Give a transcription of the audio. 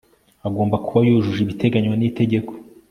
agomba kuba yujuje ibiteganywa n Itegeko